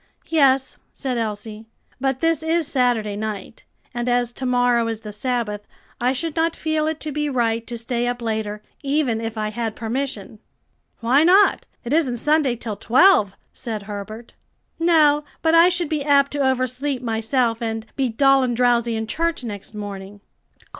"Yes," said Elsie, "but this is Saturday night, and as to morrow is the Sabbath, I should not feel it to be right to stay up later, even if I had permission." "Why not? it isn't Sunday till twelve," said Herbert. "No, but I should be apt to oversleep myself, and be dull and drowsy in church next morning."